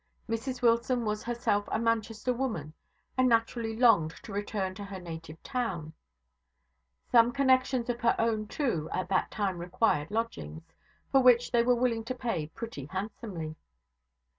Mrs Wilson was herself a Manchester woman, and naturally longed to return to her native town; some connexions of her own, too, at that time required lodgings, for which they were willing to pay pretty handsomely.